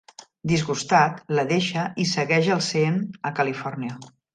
Disgustat, la deixa i segueix el Sean a Califòrnia.